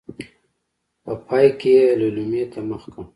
په پای کې يې ليلما ته مخ کړ.